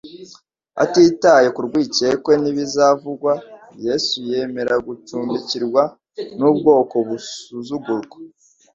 Atitaye ku rwikekwe n'ibizavugwa, Yesu yemera gucumbikirwa n'ubwoko busuzugurwa.